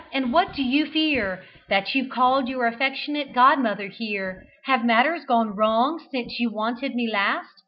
and what do you fear That you've called your affectionate godmother here? Have matters gone wrong since you wanted me last?